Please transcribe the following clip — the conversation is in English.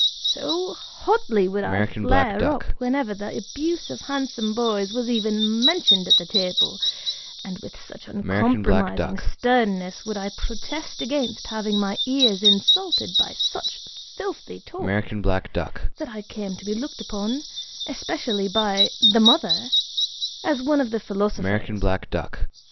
So hotly would I flare up, whenever the abuse of handsome boys was even mentioned at the table, and with such uncompromising sternness would I protest against having my ears insulted by such filthy talk, that I came to be looked upon, especially by the mother, as one of the philosophers.